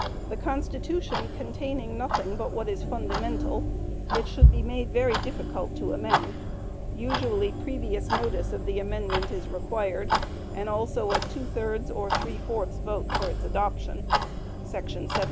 The Constitution containing nothing but what is fundamental, it should be made very difficult to amend; usually previous notice of the amendment is required, and also a two thirds or three fourths vote for its adoption [§ 73].